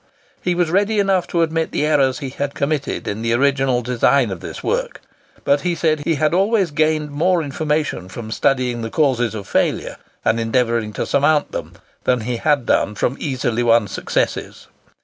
He was ready enough to admit the errors he had committed in the original design of this work; but he said he had always gained more information from studying the causes of failures and endeavouring to surmount them than he had done from easily won successes.